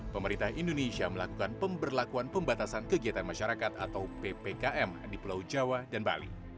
pemerintah indonesia melakukan pemberlakuan pembatasan kegiatan masyarakat atau ppkm di pulau jawa dan bali